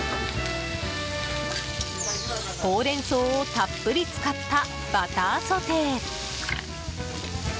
ほうれん草をたっぷり使ったバターソテー。